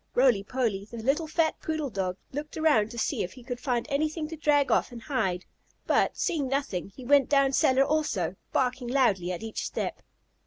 Roly Poly, the little fat poodle dog looked around to see if he could find anything to drag off and hide, but, seeing nothing, he went down cellar also, barking loudly at each step.